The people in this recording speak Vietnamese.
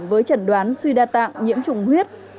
với chẩn đoán suy đa tạng nhiễm trùng huyết